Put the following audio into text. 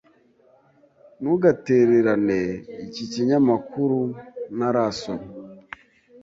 Ntugatererane iki kinyamakuru. Ntarasoma.